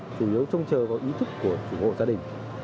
chủ yếu trông chờ vào ý thức của chủ hộ gia đình